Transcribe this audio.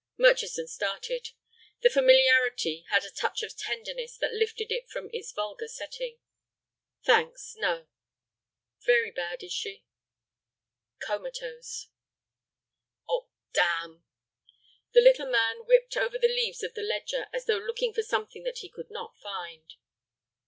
Murchison started. The familiarity had a touch of tenderness that lifted it from its vulgar setting. "Thanks, no." "Very bad, is she?" "Comatose." "Oh, damn!" The little man whipped over the leaves of the ledger, as though looking for something that he could not find.